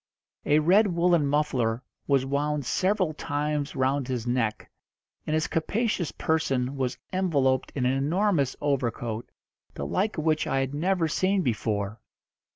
A red woollen muffler was wound several times round his neck, and his capacious person was enveloped in an enormous overcoat, the like of which I had never seen before.